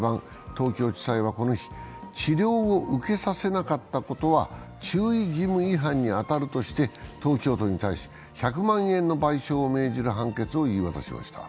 東京地裁はこの日、治療を受けさせなかったことは注意義務違反に当たるとして東京都に対し１００万円の賠償を命じる判決を言い渡しました。